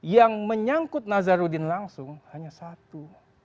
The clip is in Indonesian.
yang menyangkut nazarudin langsung hanya satu